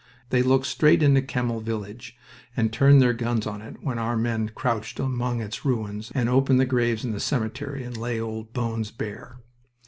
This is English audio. They looked straight into Kemmel village and turned their guns on to it when our men crouched among its ruins and opened the graves in the cemetery and lay old bones bare.